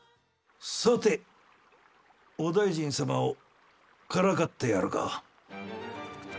さてお大尽様をからかってやるか。